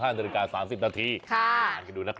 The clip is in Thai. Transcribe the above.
ค่ะดูนะครับมาชิมก๋วยเตี๋ยวต้มยำ